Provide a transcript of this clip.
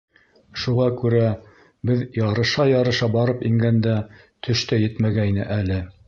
Шуға күрә беҙ ярыша-ярыша барып ингәндә, төш тә етмәгәйне әле.